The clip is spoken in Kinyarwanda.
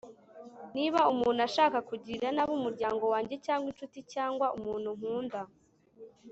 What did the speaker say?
niba umuntu ashaka kugirira nabi umuryango wanjye cyangwa inshuti cyangwa umuntu nkunda